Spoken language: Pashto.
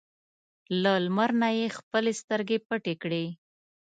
له لمر نه یې خپلې سترګې پټې کړې.